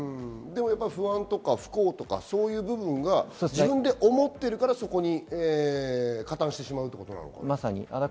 不安、不幸そういうのが自分で思ってるから、そこに加担してしまうということなのかな。